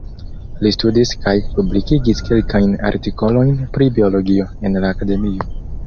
Li studis kaj publikigis kelkajn artikolojn pri biologio en la Akademio.